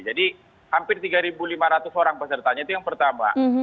jadi hampir tiga lima ratus orang pesertanya itu yang pertama